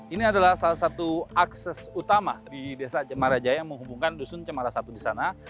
ini adalah salah satu akses utama di desa cemarajaya yang menghubungkan dusun cemara satu di sana